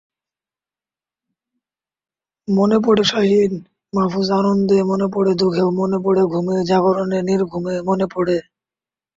মনে পড়েশাহিন মাহফুজআনন্দে মনে পড়ে দুখেও মনে পড়েঘুমে জাগরণে নির্ঘুমে মনে পড়ে।